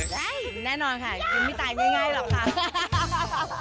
ใช่แน่นอนค่ะกินไม่ตายง่ายหรอกค่ะ